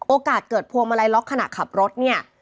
โอกาสเกิดพวงมาลัยล็อกขณะขับรถเนี่ย